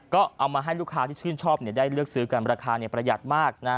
ก็เอามาให้ลูกค้าที่ชื่นชอบได้เลือกซื้อกันราคาประหยัดมากนะ